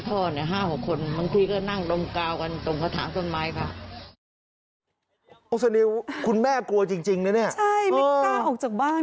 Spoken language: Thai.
ใช่ไม่กล้าออกจากบ้าน